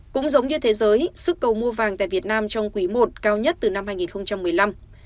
cũng giống như thế giới sức cầu mua vàng tại việt nam trong quý i cao nhất từ năm hai nghìn một mươi năm